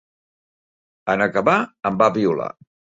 En acabar, em va violar.